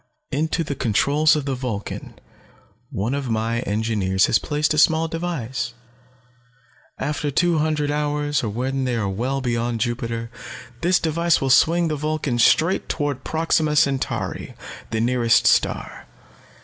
"Into the controls of the Vulcan one of my engineers has placed a small device. After two hundred hours, or when they are well beyond Jupiter, this device will swing the Vulcan straight toward Proxima Centauri, the nearest star.